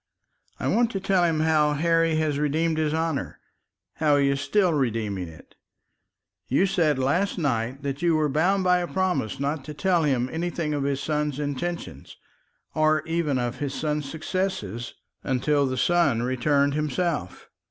"I want to tell him how Harry has redeemed his honour, how he is still redeeming it. You said last night that you were bound by a promise not to tell him anything of his son's intention, or even of his son's success until the son returned himself.